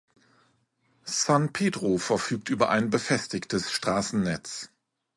San Pedro verfügt über ein befestigtes Straßennetz.